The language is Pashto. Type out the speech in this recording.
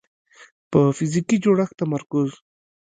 په فزیکي جوړښت تمرکز